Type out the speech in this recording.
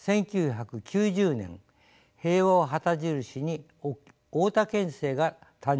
１９９０年「平和」を旗印に大田県政が誕生しました。